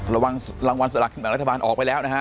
รางวัลสละกินแบ่งรัฐบาลออกไปแล้วนะฮะ